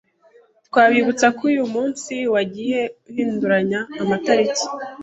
Twabibutsako uyu munsi wagiye uhinduranya amatariki ,